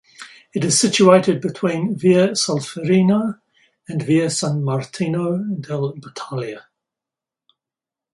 It is situated between Via Solferino and Via San Martino della Battaglia.